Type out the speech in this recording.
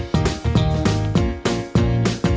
เสร็จแล้วค่ะ